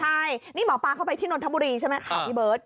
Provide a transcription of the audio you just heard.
ใช่นี่หมอปลาเข้าไปที่นนทบุรีใช่ไหมข่าวพี่เบิร์ต